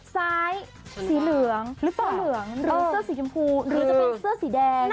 ซ้ายสีเหลืองหรือเซอร์สีชมพูหรือจะเป็นเซอร์สีแดง